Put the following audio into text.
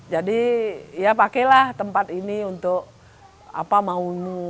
jadi ya pakailah tempat ini untuk apa mau nu